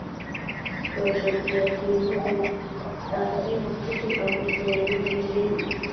په شبکیه کې نوري آخذې مخروطي او استوانه یي حجرې دي.